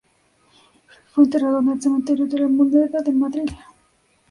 Fue enterrado en el cementerio de la Almudena de Madrid.